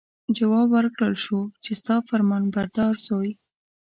جواب ورکړل شو چې ستا فرمانبردار زوی.